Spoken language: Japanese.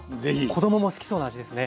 子どもも好きそうな味ですね。